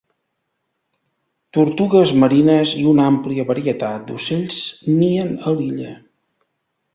Tortugues marines i una àmplia varietat d'ocells nien a l'illa.